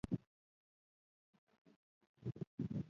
آیا ازادي نعمت دی؟